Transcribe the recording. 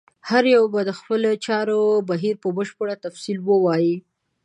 هر یو به د خپلو چارو بهیر په بشپړ تفصیل ووایي.